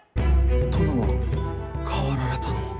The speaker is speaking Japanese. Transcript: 殿は変わられたのう。